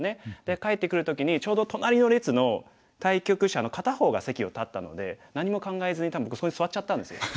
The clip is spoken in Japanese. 帰ってくる時にちょうど隣の列の対局者の片方が席を立ったので何も考えずに多分そこに座っちゃったんですよ。